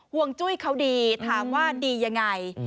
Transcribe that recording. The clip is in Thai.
ห่วงจุ้ยเขาดีถามว่าดียังไง